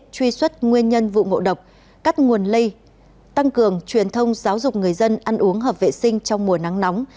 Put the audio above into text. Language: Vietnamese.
truy xuất nguyên nhân vụ ngộ độc cắt nguồn lây tăng cường truyền thông giáo dục người dân ăn uống hợp vệ sinh trong mùa nắng nóng